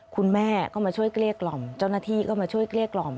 คุณแม่เข้ามาช่วยเกลียดกล่อมเจ้าหน้าที่เข้ามาช่วยเกลียดกล่อม